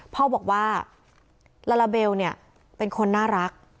พ่อบอกว่าลาลาเบลเนี่ยเป็นคนน่ารัก